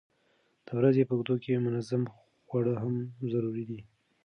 د ورځې په اوږدو کې منظم خواړه هم ضروري دي.